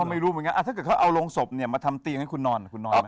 ไม่รู้เหมือนกันถ้าเกิดเขาเอาโรงศพเนี่ยมาทำเตียงให้คุณนอนคุณนอนไหม